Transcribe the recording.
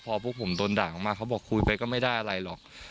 พอพวกผมโดนด่าออกมาเขาบอกคุยไปก็ไม่ได้อะไรหรอก